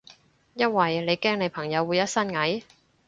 因為你驚你朋友會一身蟻？